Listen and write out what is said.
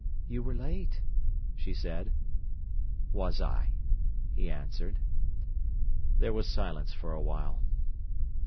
"You were late," she said. "Was I?" he answered. There was silence for a while.